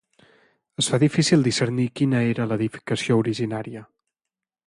Es fa difícil discernir quina era l'edificació originària.